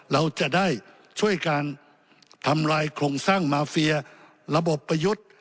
เราจะได้ช่วยการทำลายโครงสร้างมาเฟียระบบประยุทธ์